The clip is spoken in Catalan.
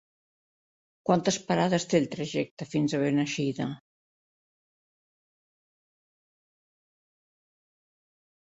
Quantes parades té el trajecte en autobús fins a Beneixida?